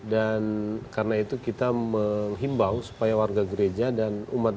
dan karena itu kita menghimbau supaya warga gereja dan umat umat